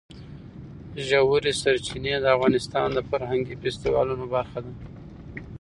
ژورې سرچینې د افغانستان د فرهنګي فستیوالونو برخه ده.